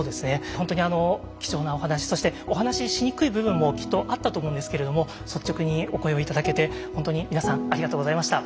本当に貴重なお話そしてお話ししにくい部分もきっとあったと思うんですけれども率直にお声を頂けて本当に皆さんありがとうございました。